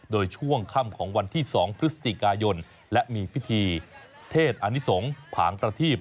โดยช่วงค่ำของวันที่๒พฤศจิกายนและมีพิธีเทศอานิสงฆ์ผางประทีบ